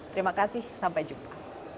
terima kasih sampai jumpa